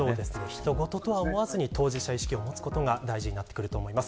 他人事とは思わずに当事者意識を持つことが大事だと思います。